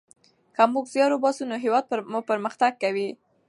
که موږ زیار وباسو نو هیواد مو پرمختګ کوي.